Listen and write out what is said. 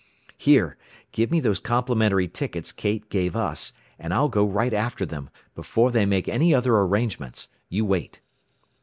"Here! Give me those complimentary tickets Kate gave us, and I'll go right after them, before they make any other arrangements. You wait."